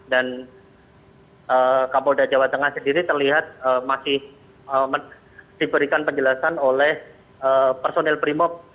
kapolda jawa tengah sendiri terlihat masih diberikan penjelasan oleh personil primop